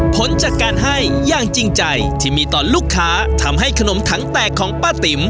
ผลจากการให้อย่างจริงใจที่มีต่อลูกค้าทำให้ขนมถังแตกของป้าติ๋ม